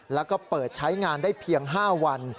แล้วก็เปิดใช้งานได้เพียง๕วัน